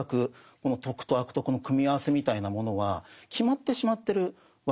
この「徳」と「悪徳」の組み合わせみたいなものは決まってしまってるわけですね。